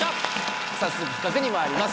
早速企画にまいります！